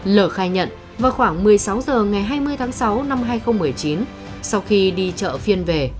lở khai nhận vào khoảng một mươi sáu h ngày hai mươi tháng sáu năm hai nghìn một mươi chín sau khi đi chợ phiên về